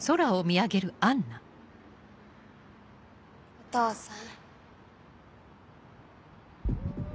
お父さん。